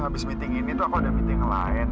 abis meeting ini tuh aku ada meeting lain